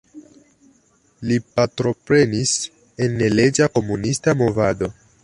Li partoprenis en neleĝa komunista movado.